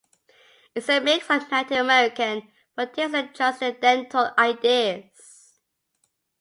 It's a mix of Native American, Buddhist and transcendental ideas.